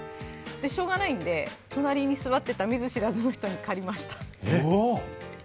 しようがないんで、隣に座ってた見ず知らずの人に借りました。